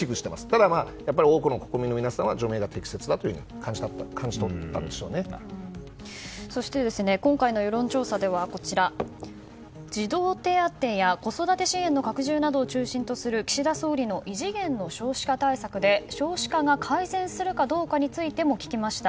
ただ、多くの国民の皆さんは除名が適切だとそして、今回の世論調査では児童手当や子育て支援の拡充などを中心とする岸田総理の異次元の少子化対策で少子化が改善するかどうかについても聞きました。